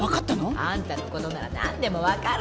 あんたのことなら何でも分かるのよ。